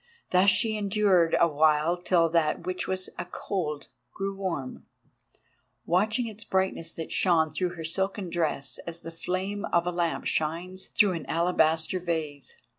Thus she endured awhile till that which was a cold grew warm, watching its brightness that shone through her silken dress as the flame of a lamp shines through an alabaster vase.